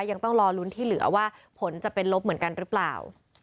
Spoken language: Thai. ยังต้องรอลุ้นที่เหลือว่าผลจะเป็นลบเหมือนกันหรือเปล่า